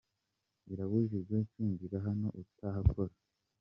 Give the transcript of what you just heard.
Birabujijwe kwinjira hano utahakora.